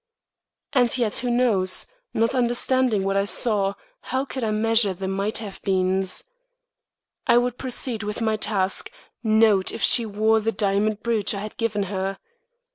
And yet who knows? Not understanding what I saw, how could I measure the might have beens! I would proceed with my task note if she wore the diamond brooch I had given her.